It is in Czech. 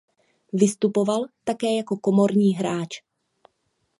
Vystupoval také jako komorní hráč.